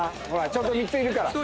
ちょうど３ついるから。